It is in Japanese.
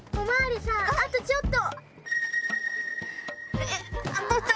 あとちょっと！